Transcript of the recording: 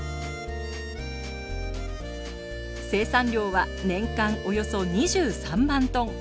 生産量は年間およそ２３万トン。